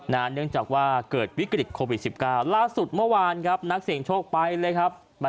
เนื่องจากว่าเกิดวิกฤตโควิด๑๙ล่าสุดเมื่อวานครับนักเสียงโชคไปเลยครับ